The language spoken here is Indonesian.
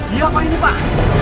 iya pak ini pak